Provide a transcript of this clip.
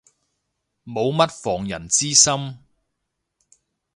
冇乜防人之心